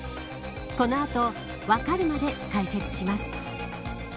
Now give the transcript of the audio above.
この後、わかるまで解説します。